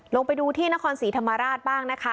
ลงไปดูที่นครศรีธรรมราชบ้างนะคะ